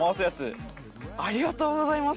ありがとうございます。